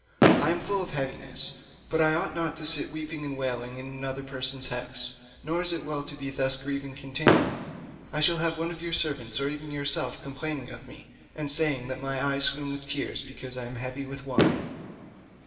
I am full of heaviness, but I ought not to sit weeping and wailing in another person's house, nor is it well to be thus grieving continually. I shall have one of the servants or even yourself complaining of me, and saying that my eyes swim with tears because I am heavy with wine."